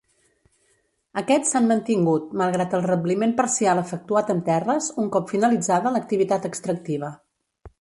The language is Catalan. Aquests s'han mantingut, malgrat el rebliment parcial efectuat amb terres, un cop finalitzada l'activitat extractiva.